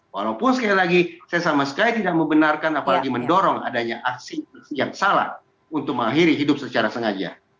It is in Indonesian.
walaupun sekali lagi saya sama sekali tidak membenarkan apalagi mendorong adanya aksi yang salah untuk mengakhiri hidup secara sengaja